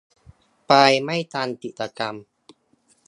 ไปไม่ทันกิจกรรม